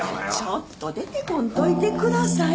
ちょっと出てこんといてください。